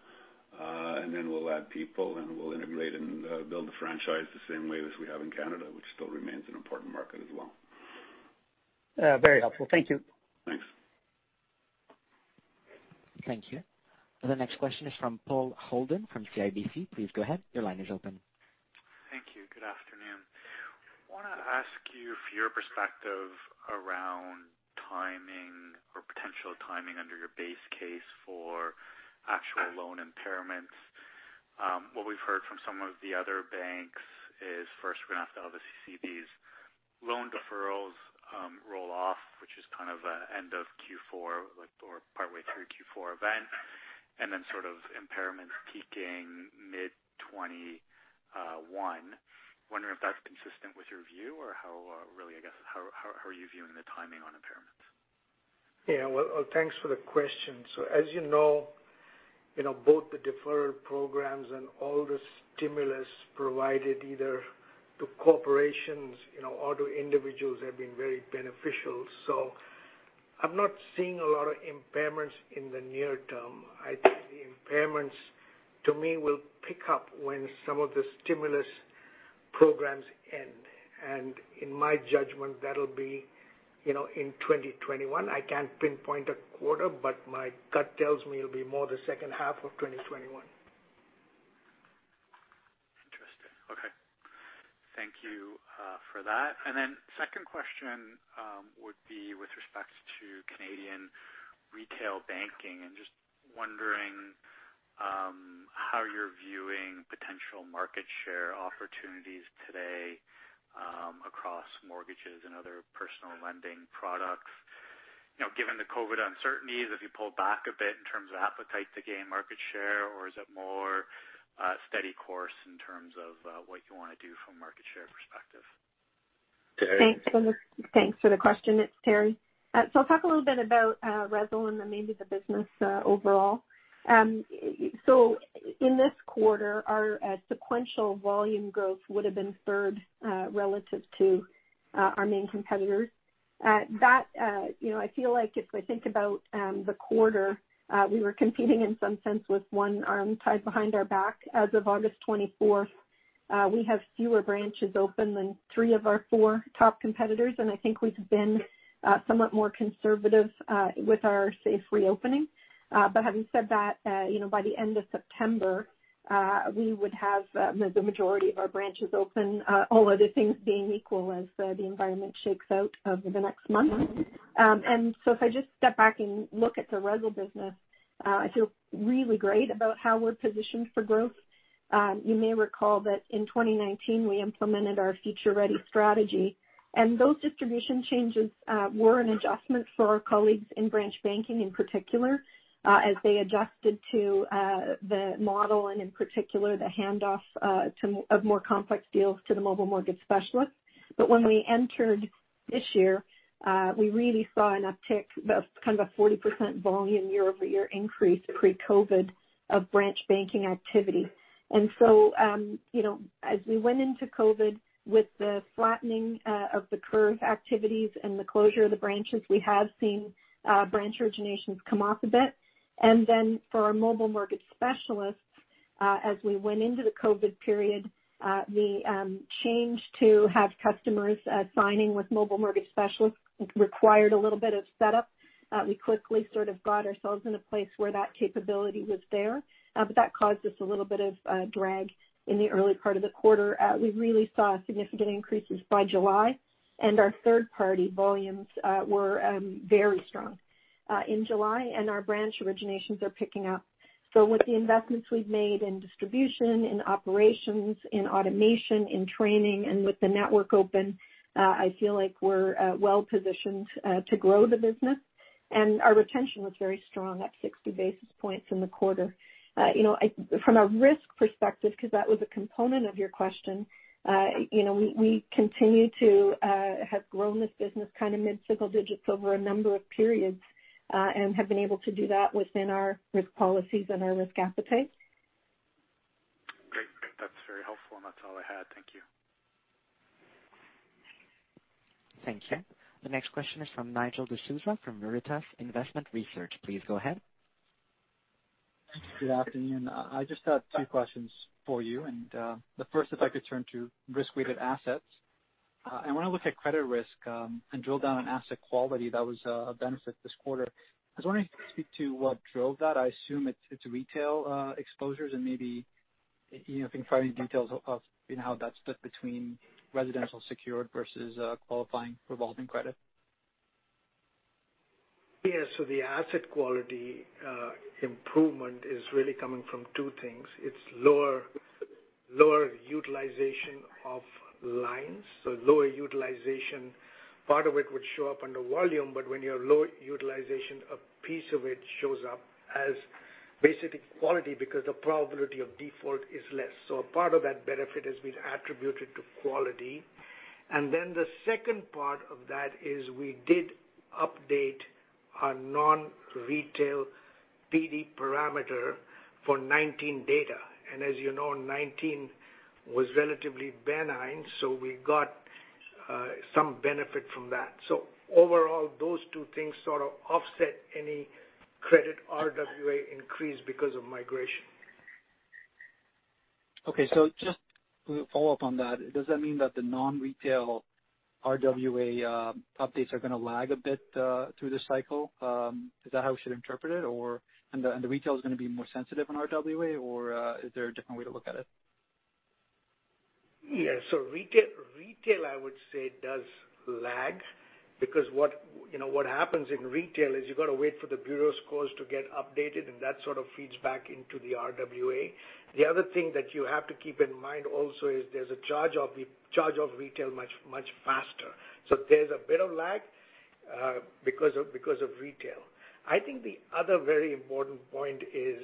Then we'll add people, and we'll integrate and build the franchise the same way as we have in Canada, which still remains an important market as well. Very helpful. Thank you. Thanks. Thank you. The next question is from Paul Holden from CIBC. Please go ahead. Thank you. Good afternoon. I want to ask you for your perspective around timing or potential timing under your base case for actual loan impairments. What we've heard from some of the other banks is first we're going to have to obviously see these loan deferrals roll off, which is kind of an end of Q4 or partway through Q4 event, and then sort of impairments peaking mid 2021. Wondering if that's consistent with your view or how are you viewing the timing on impairments? Yeah. Well, thanks for the question. As you know, both the deferred programs and all the stimulus provided either to corporations or to individuals have been very beneficial. I'm not seeing a lot of impairments in the near term. I think the impairments to me will pick up when some of the stimulus programs end. In my judgment, that'll be in 2021. I can't pinpoint a quarter, my gut tells me it'll be more the second half of 2021. Interesting. Okay. Thank you for that. Second question would be with respect to Canadian Personal Banking. I am just wondering how you are viewing potential market share opportunities today across mortgages and other personal lending products. Given the COVID-19 uncertainties, have you pulled back a bit in terms of appetite to gain market share, or is it more a steady course in terms of what you want to do from a market share perspective? Teri? Thanks for the question. It's Teri. I'll talk a little bit about resi and then maybe the business overall. In this quarter, our sequential volume growth would've been third relative to our main competitors. I feel like if I think about the quarter, we were competing in some sense with one arm tied behind our back. As of August 24th, we have fewer branches open than three of our four top competitors, and I think we've been somewhat more conservative with our safe reopening. Having said that, by the end of September, we would have the majority of our branches open all other things being equal as the environment shakes out over the next month. If I just step back and look at the resi business, I feel really great about how we're positioned for growth. You may recall that in 2019, we implemented our Future Ready strategy, and those distribution changes were an adjustment for our colleagues in branch banking in particular, as they adjusted to the model and in particular, the handoff of more complex deals to the mobile mortgage specialists. When we entered this year, we really saw an uptick, kind of a 40% volume year-over-year increase pre-COVID of branch banking activity. As we went into COVID with the flattening of the curve activities and the closure of the branches, we have seen branch originations come off a bit. For our mobile mortgage specialists, as we went into the COVID period, the change to have customers signing with mobile mortgage specialists required a little bit of setup. We quickly sort of got ourselves in a place where that capability was there. That caused us a little bit of drag in the early part of the quarter. We really saw significant increases by July, and our third-party volumes were very strong in July and our branch originations are picking up. With the investments we've made in distribution, in operations, in automation, in training, and with the network open, I feel like we're well-positioned to grow the business. Our retention was very strong up 60 basis points in the quarter. From a risk perspective, because that was a component of your question, we continue to have grown this business kind of mid-single digits over a number of periods, and have been able to do that within our risk policies and our risk appetite. Great. That's very helpful, and that's all I had. Thank you. Thank you. The next question is from Nigel D'Souza from Veritas Investment Research. Please go ahead. Good afternoon. I just have two questions for you, and the first, if I could turn to risk-weighted assets. I want to look at credit risk and drill down on asset quality. That was a benefit this quarter. I was wondering if you could speak to what drove that. I assume it's retail exposures and maybe if you can provide any details of how that's split between residential secured versus qualifying revolving credit. Yeah. The asset quality improvement is really coming from two things. It's lower utilization of lines. Lower utilization, part of it would show up under volume, but when you have low utilization, a piece of it shows up as BC&T quality because the probability of default is less. A part of that benefit has been attributed to quality. The second part of that is we did update our non-retail PD parameter for 2019 data. As you know, 2019 was relatively benign, so we got some benefit from that. Overall, those two things sort of offset any credit RWA increase because of migration. Just to follow up on that, does that mean that the non-retail RWA updates are going to lag a bit through this cycle? Is that how we should interpret it? The retail is going to be more sensitive in RWA or is there a different way to look at it? Retail, I would say, does lag because what happens in retail is you got to wait for the bureau's scores to get updated, and that sort of feeds back into the RWA. The other thing that you have to keep in mind also is there's a charge-off retail much faster. There's a bit of lag because of retail. I think the other very important point is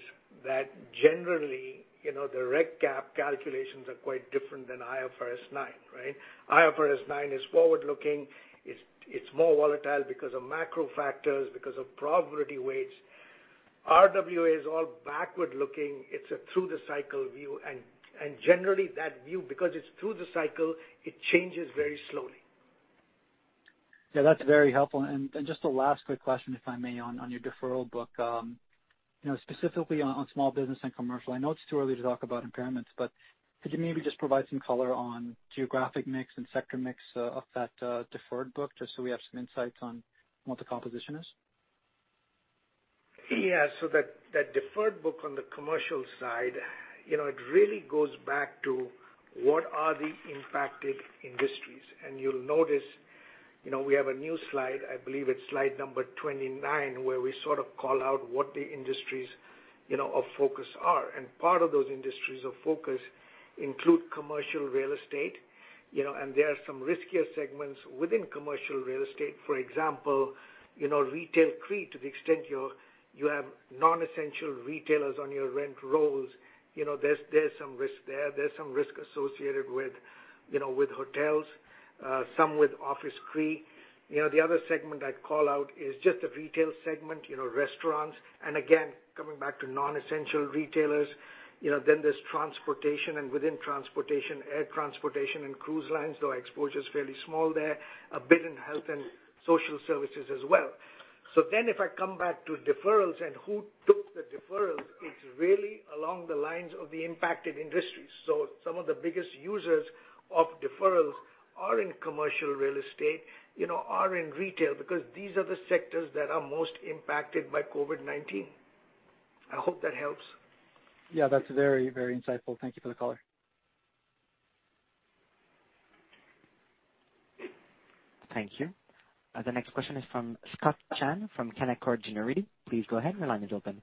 that generally, the reg cap calculations are quite different than IFRS 9, right? IFRS 9 is forward-looking. It's more volatile because of macro factors, because of probability weights. RWA is all backward-looking. It's a through the cycle view. Generally that view, because it's through the cycle, it changes very slowly. Yeah, that's very helpful. Just a last quick question, if I may, on your deferral book. Specifically on small business and commercial, I know it's too early to talk about impairments, but could you maybe just provide some color on geographic mix and sector mix of that deferred book, just so we have some insights on what the composition is? Yeah. That deferred book on the commercial side, it really goes back to what are the impacted industries. You'll notice we have a new slide, I believe it's slide number 29, where we sort of call out what the industries of focus are. Part of those industries of focus include commercial real estate, and there are some riskier segments within commercial real estate. For example, retail CRE, to the extent you have non-essential retailers on your rent rolls, there's some risk there. There's some risk associated with hotels, some with office CRE. The other segment I'd call out is just the retail segment, restaurants. Again, coming back to non-essential retailers. There's transportation, and within transportation, air transportation and cruise lines, though our exposure's fairly small there. A bit in health and social services as well. If I come back to deferrals and who took the deferrals, it's really along the lines of the impacted industries. Some of the biggest users of deferrals are in commercial real estate, are in retail, because these are the sectors that are most impacted by COVID-19. I hope that helps. Yeah, that's very insightful. Thank you for the color. Thank you. The next question is from Scott Chan from Canaccord Genuity. Please go ahead. Your line is open.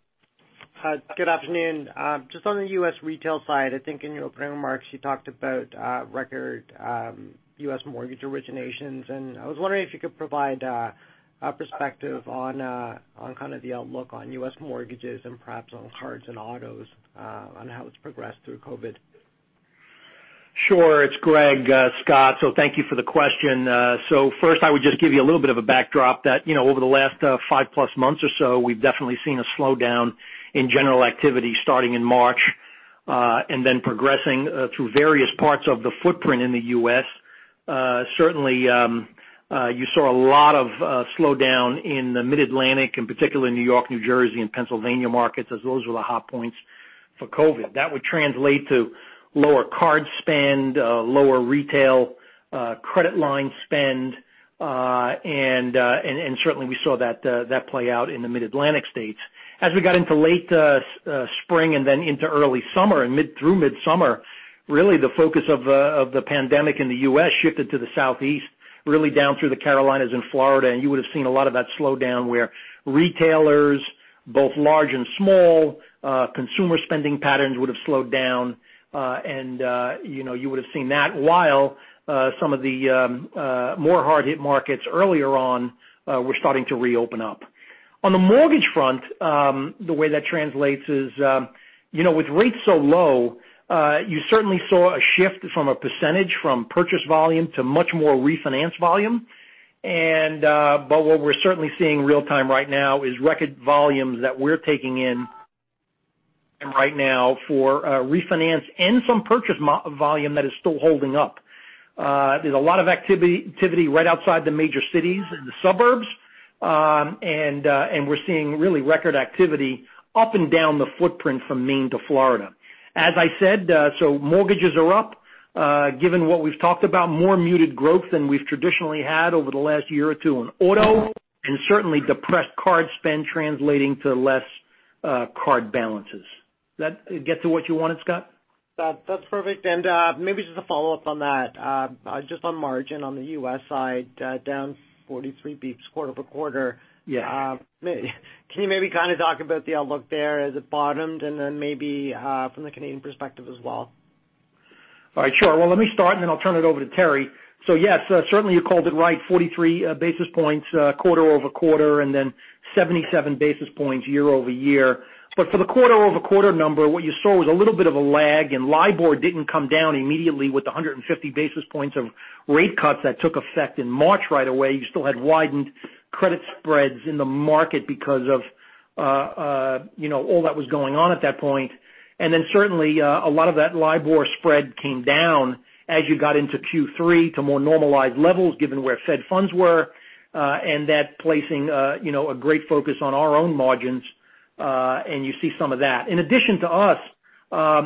Hi. Good afternoon. Just on the U.S. Retail side, I think in your opening remarks, you talked about record U.S. mortgage originations. I was wondering if you could provide a perspective on kind of the outlook on U.S. mortgages and perhaps on cards and autos, on how it's progressed through COVID. Sure. It's Greg, Scott, thank you for the question. First, I would just give you a little bit of a backdrop that over the last five-plus months or so, we've definitely seen a slowdown in general activity starting in March, and then progressing through various parts of the footprint in the U.S. Certainly, you saw a lot of slowdown in the Mid-Atlantic, in particular in New York, New Jersey, and Pennsylvania markets, as those were the hot points for COVID. That would translate to lower card spend, lower retail credit line spend, and certainly we saw that play out in the Mid-Atlantic states. As we got into late spring and then into early summer and through midsummer, really the focus of the pandemic in the U.S. shifted to the southeast, really down through the Carolinas and Florida, and you would've seen a lot of that slowdown where retailers, both large and small, consumer spending patterns would've slowed down. You would've seen that while some of the more hard-hit markets earlier on were starting to reopen up. On the mortgage front, the way that translates is with rates so low, you certainly saw a shift from a percentage from purchase volume to much more refinance volume. What we're certainly seeing real time right now is record volumes that we're taking in right now for refinance and some purchase volume that is still holding up. There's a lot of activity right outside the major cities in the suburbs. We're seeing really record activity up and down the footprint from Maine to Florida. As I said, mortgages are up. Given what we've talked about, more muted growth than we've traditionally had over the last year or two on auto. Certainly depressed card spend translating to less card balances. That get to what you wanted, Scott? That's perfect. Maybe just a follow-up on that. Just on margin on the U.S. side, down 43 basis points quarter-over-quarter. Yeah. Can you maybe kind of talk about the outlook there? Has it bottomed? Maybe from the Canadian perspective as well. Well, let me start, and then I'll turn it over to Teri. Yes, certainly you called it right, 43 basis points quarter-over-quarter, and then 77 basis points year-over-year. For the quarter-over-quarter number, what you saw was a little bit of a lag, and LIBOR didn't come down immediately with the 150 basis points of rate cuts that took effect in March right away. You still had widened credit spreads in the market because of all that was going on at that point. Certainly, a lot of that LIBOR spread came down as you got into Q3 to more normalized levels given where Fed funds were, and that placing a great focus on our own margins, and you see some of that. In addition to us,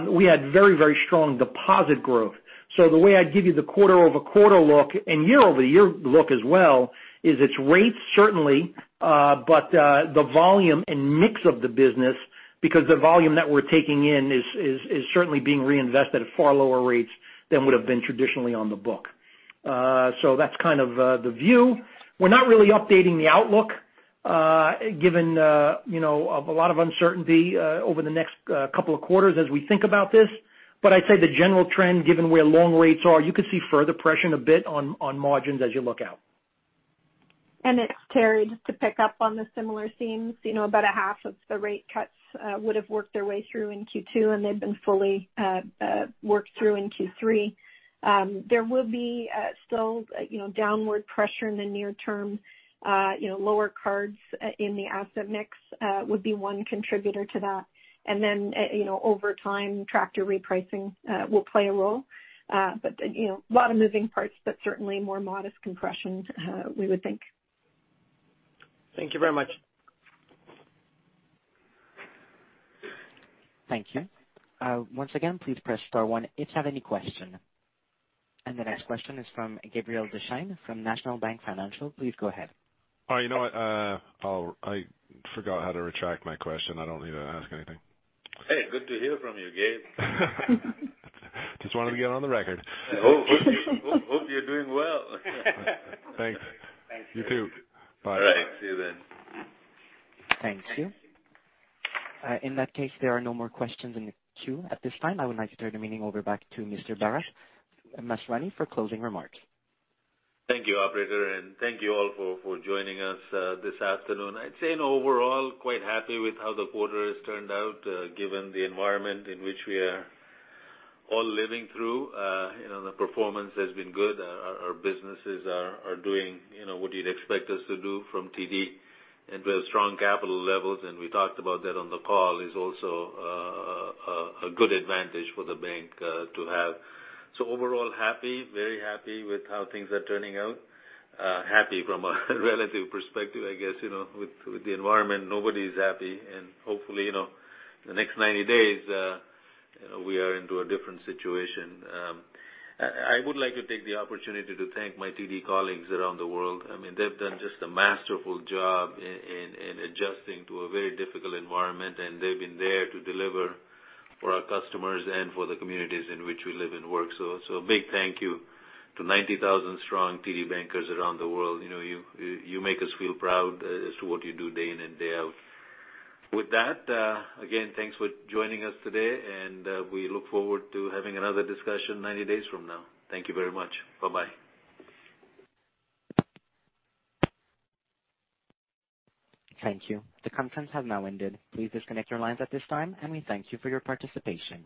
we had very strong deposit growth. The way I'd give you the quarter-over-quarter look, and year-over-year look as well, is it's rates certainly, but the volume and mix of the business because the volume that we're taking in is certainly being reinvested at far lower rates than would've been traditionally on the book. That's kind of the view. We're not really updating the outlook given a lot of uncertainty over the next couple of quarters as we think about this. I'd say the general trend, given where loan rates are, you could see further pressure in a bit on margins as you look out. It's Teri. Just to pick up on the similar themes. About a 1/2 of the rate cuts would've worked their way through in Q2, and they've been fully worked through in Q3. There will be still downward pressure in the near term. Lower cards in the asset mix would be one contributor to that. Then, over time, tractor repricing will play a role. A lot of moving parts, but certainly more modest compression, we would think. Thank you very much. Thank you. Once again, please press star one if you have any question. The next question is from Gabriel Dechaine from National Bank Financial. Please go ahead. Oh, you know what? I forgot how to retract my question. I don't need to ask anything. Hey, good to hear from you, Gabe. Just wanted to get on the record. Hope you're doing well. Thanks. You too. Bye. All right. See you then. Thank you. In that case, there are no more questions in the queue at this time. I would like to turn the meeting over back to Mr. Bharat Masrani for closing remarks. Thank you, operator, thank you all for joining us this afternoon. I'd say in overall, quite happy with how the quarter has turned out, given the environment in which we are all living through. The performance has been good. Our businesses are doing what you'd expect us to do from TD. We have strong capital levels, and we talked about that on the call, is also a good advantage for the bank to have. Overall, very happy with how things are turning out. Happy from a relative perspective, I guess. With the environment, nobody's happy, hopefully, the next 90 days, we are into a different situation. I would like to take the opportunity to thank my TD colleagues around the world. I mean, they've done just a masterful job in adjusting to a very difficult environment, and they've been there to deliver for our customers and for the communities in which we live and work. A big thank you to 90,000 strong TD bankers around the world. You make us feel proud as to what you do day in and day out. With that, again, thanks for joining us today, and we look forward to having another discussion 90 days from now. Thank you very much. Bye-bye. Thank you. The conference has now ended. Please disconnect your lines at this time, and we thank you for your participation.